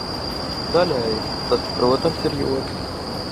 Daļēji tas, protams, ir joks.